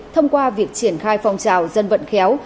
thông qua việc triển khai phong trào dân vận khéo